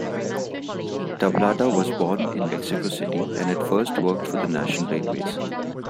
Tablada was born in Mexico City and at first worked for the national railways.